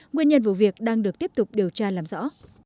nguyên nhân vụ việc đang được tiếp tục điều tra làm rõ